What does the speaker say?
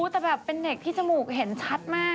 แต่แบบเป็นเด็กที่จมูกเห็นชัดมาก